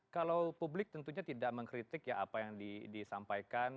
kalau publik tentunya tidak mengkritik ya apa yang disampaikan